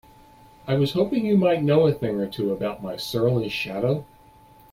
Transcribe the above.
I was hoping you might know a thing or two about my surly shadow?